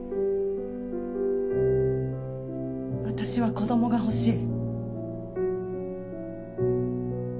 私は子供が欲しい。